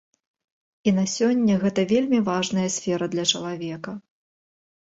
І на сёння гэта вельмі важная сфера для чалавека.